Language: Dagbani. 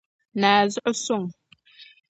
ni a zuɣu suŋ.